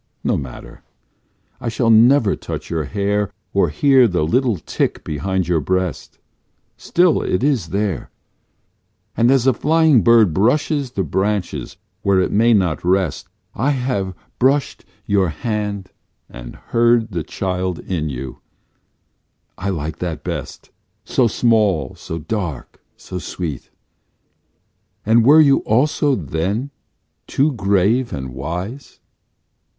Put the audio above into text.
No matter; I shall never touch your hair Or hear the little tick behind your breast, Still it is there, And as a flying bird Brushes the branches where it may not rest I have brushed your hand and heard The child in you: I like that best So small, so dark, so sweet; and were you also then too grave and wise?